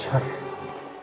masih ada hikmah besar